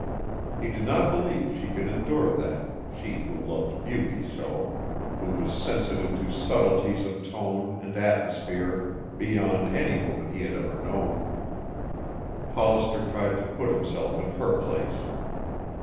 He did not believe she could endure that, she who loved beauty so, who was sensitive to subtleties of tone and atmosphere beyond any woman he had ever known. Hollister tried to put himself in her place.